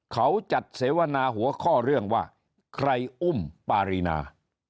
เขาจัดเสวนาหัวข้อเรื่องว่าใครอุ้มปารีนา